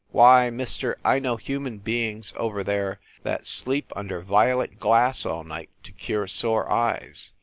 Why, mister, I know human beings, over there, that sleep under violet glass all night to cure sore eyes.